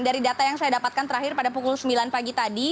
dari data yang saya dapatkan terakhir pada pukul sembilan pagi tadi